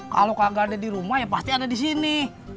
kalau kagak ada di rumah ya pasti ada di sini